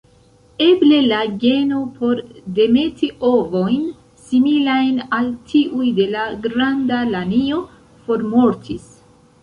Eble la geno por demeti ovojn similajn al tiuj de la Granda lanio formortis.